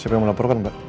siapa yang melaporkan pak